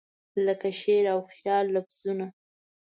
لکه شعر او خیال لفظونه